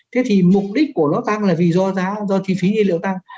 thế thì mục đích của nó tăng là vì do giá do chi phí nhiên liệu tăng